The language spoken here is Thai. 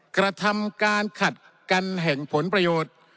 กระทำการขัดกันแห่งผลประโยชน์